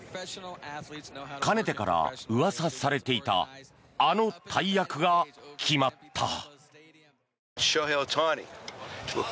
かねてからうわさされていたあの大役が決まった。